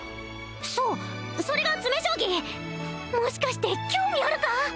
そうそれが詰将棋もしかして興味あるか？